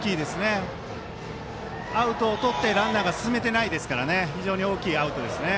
アウトをとってランナーが進めてないですから非常に大きいアウトですね。